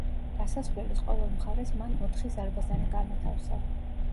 გასასვლელის ყოველ მხარეს მან ოთხი ზარბაზანი განათავსა.